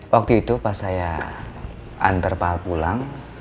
waktu itu pas saya antar pak al pulang